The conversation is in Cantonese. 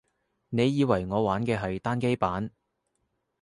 你以為我玩嘅係單機版